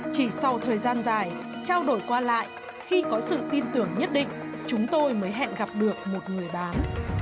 chỉ sau thời gian dài trao đổi qua lại khi có sự tin tưởng nhất định chúng tôi mới hẹn gặp được một người bán